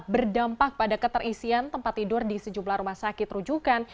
berdampak pada keterisian tempat tidur di sejumlah rumah sakit rujukan